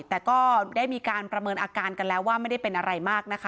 แต่ก็ได้มีการประเมินอาการกันแล้วว่าไม่ได้เป็นอะไรมากนะคะ